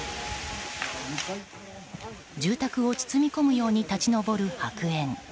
住宅を包み込むように立ち上る白煙。